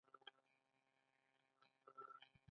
چې تل یې هیواد ساتلی.